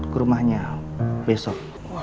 ke rumahnya besok